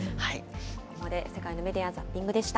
ここまで世界のメディア・ザッピングでした。